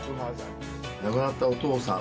亡くなったお父さんの。